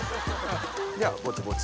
じゃあぼちぼち。